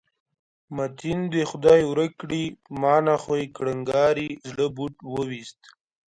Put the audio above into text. متین دې خدای ورک کړي، ما نه خو یې کړنګاري زړه بوټ وویست.